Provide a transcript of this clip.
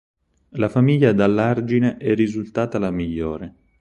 La famiglia Dall'Argine è risultata la migliore.